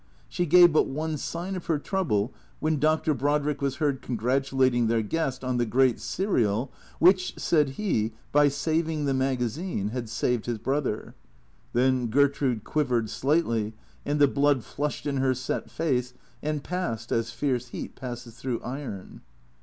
She gave but one sign of her trouble when Dr. Brodrick was heard congratu lating their guest on the great serial which, said he, by " saving " the magazine, had " saved " his brother. Then Gertrude quiv ered slightly, and the blood flushed in her set face and passed as fierce heat passes through iron.